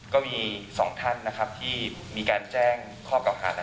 ก็มี๒ท่านนะครับที่มีการแจ้งข้อเก่าหา